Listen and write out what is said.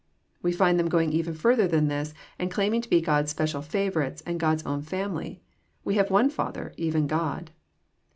'' We find them going even further than this, and claiming to be God's special favourites and God's own family :" We have one Father, even Gk)d."